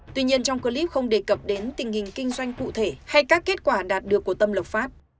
tuy nhiên trong clip không đề cập đến tình hình kinh doanh cụ thể hay các kết quả đạt được của tâm lộc phát